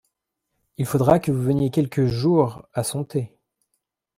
Il faudra que vous veniez, quelque jour, à son thé.